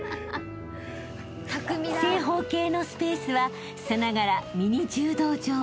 ［正方形のスペースはさながらミニ柔道場］